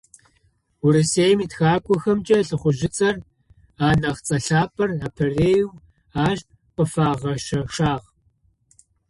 Урысыем итхакӀохэмкӏэ ЛӀыхъужъыцӏэр, анахь цӏэ лъапӏэр, апэрэеу ащ къыфагъэшъошагъ.